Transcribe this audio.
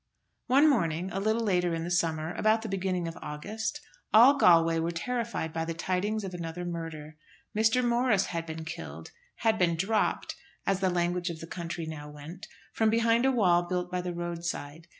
One morning, a little later in the summer, about the beginning of August, all Galway were terrified by the tidings of another murder. Mr. Morris had been killed, had been "dropped," as the language of the country now went, from behind a wall built by the roadside.